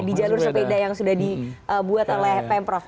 di jalur sepeda yang sudah dibuat oleh pemprov